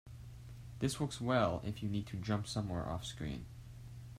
This works well if you need to jump somewhere offscreen.